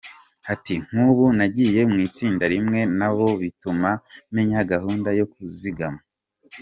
Ati “Nk’ubu nagiye mu itsinda rimwe na bo bituma menya gahunda yo kuzigama.